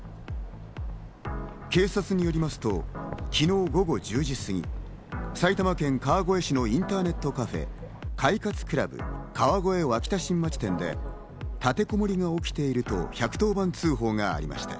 警察によりますと、昨日午後１０時すぎ、埼玉県川越市のインターネットカフェ、快活ＣＬＵＢ川越脇田新町店で立てこもりが起きていると１１０番通報がありました。